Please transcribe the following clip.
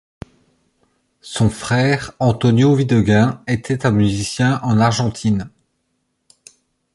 Son frère Antonio Videgain était un musicien en Argentine.